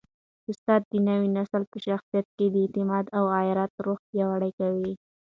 استاد د نوي نسل په شخصیت کي د اعتماد او غیرت روحیه پیاوړې کوي.